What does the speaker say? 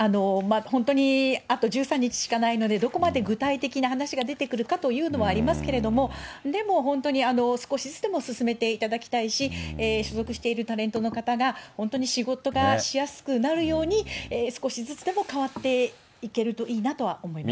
本当にあと１３日しかないので、どこまで具体的な話が出てくるかというのはありますけれども、でも本当に少しずつでも進めていただきたいし、所属しているタレントの方が、本当に仕事がしやすくなるように、少しずつでも変わっていけるといいなとは思います。